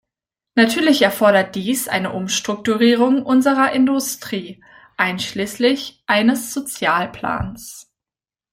Natürlich erfordert dies eine Umstrukturierung unserer Industrie, einschließlich eines Sozialplans.